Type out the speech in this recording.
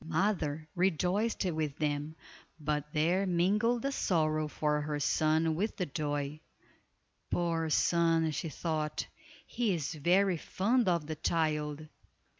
The mother rejoiced with them, but there mingled a sorrow for her son with the joy. "Poor son," she thought, "He is very fond of the child."